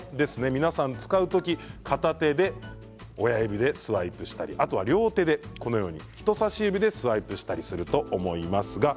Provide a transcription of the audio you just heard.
皆さん使う時、片手で親指でスワイプしたり両手の人さし指でスワイプしたりすると思います。